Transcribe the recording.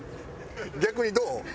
逆にどう？